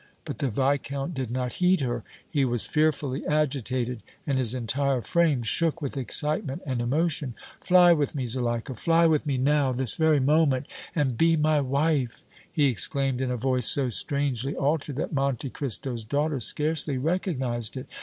But the Viscount did not heed her. He was fearfully agitated and his entire frame shook with excitement and emotion. "Fly with me, Zuleika, fly with me now, this very moment, and be my wife!" he exclaimed, in a voice so strangely altered that Monte Cristo's daughter scarcely recognized it.